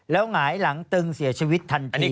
แล้วหงายหลังตึงเสียชีวิตทันที